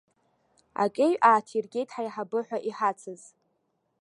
Акеҩ ааҭиргеит ҳаиҳабы ҳәа иҳацыз.